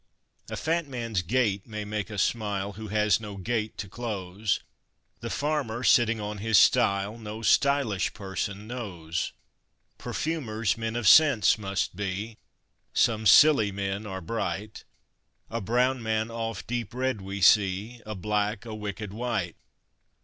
A fat man's gait may make us smile, who has no gate to close; The farmer, sitting on his stile no _sty_lish person knows. Perfumers, men of scents must be, some Scilly men are bright; A brown man oft deep read we see, a black a wicked wight.